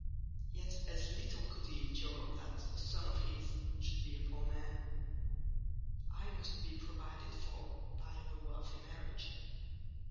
Yet as little could he endure that a son of his should be a poor man. I must be provided for by a wealthy marriage.